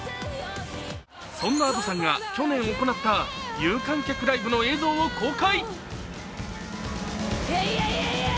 そんなＡｄｏさんが去年行った有観客ライブの映像を公開。